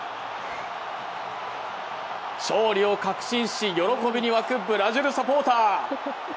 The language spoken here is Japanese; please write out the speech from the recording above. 勝利を確信し喜びに沸くブラジルサポーター。